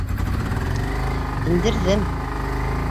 — Индерҙем.